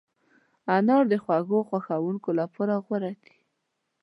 انار د خوږو خوښونکو لپاره غوره دی.